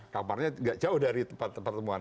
kamarnya tidak jauh dari tempat pertemuan